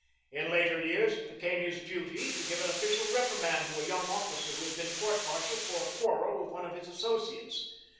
In later years it became his duty to give an official reprimand to a young officer who had been court martialed for a quarrel with one of his associates.